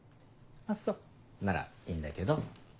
あっそならいいんだけど。